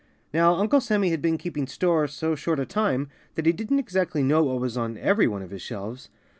Now, Uncle Sammy had been keeping store so short a time that he didn't exactly know what was on every one of his shelves.